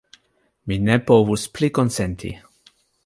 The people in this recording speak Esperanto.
Mi ne povus pli konsenti!